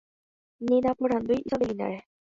ni naporandúi Isabelinare